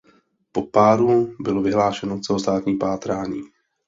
Po páru bylo vyhlášeno celostátní pátrání.